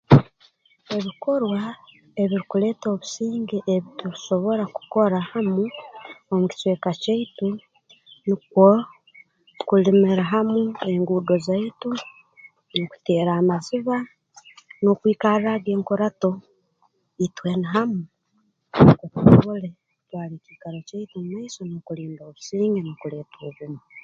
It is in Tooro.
Ebikorwa ebirukuleeta obusinge ebi tusobora kukora hamu omu kicweka kyaitu nukwo kulimira hamu enguudo zaitu n'okuteera amaziba n'okwikarraaga enkurato itwena hamu nukwo tusobole kutwara ekiikaro mu maiso n'okulinda obusinge n'okuleeta obumu